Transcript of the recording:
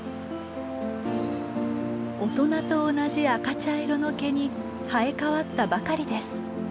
大人と同じ赤茶色の毛に生え変わったばかりです。